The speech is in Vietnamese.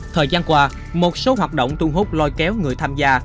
thời gian qua một số hoạt động thu hút lôi kéo người tham gia